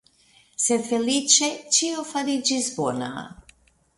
Sed feliĉe, ĉio fariĝis bona.